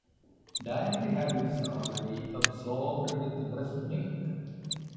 Dietary habits are already absorbed with breast milk.